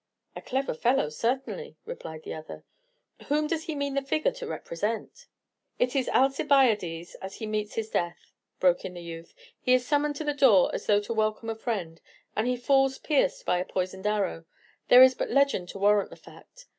"A clever fellow, certainly," replied the other. "Whom does he mean the figure to represent?" "It is Alcibiades as he meets his death," broke in the youth; "he is summoned to the door as though to welcome a friend, and he falls pierced by a poisoned arrow, there is but legend to warrant the fact.